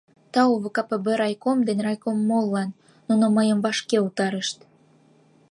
Тау ВКПб райком ден райкомоллан, нуно мыйым вашке утарышт.